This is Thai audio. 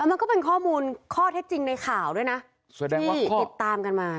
มันก็เป็นข้อมูลข้อเท็จจริงในข่าวด้วยนะแสดงว่าติดตามกันมา